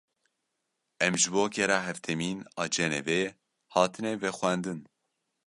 Em ji bo gera heftemîn a Cenevê hatine vexwendin.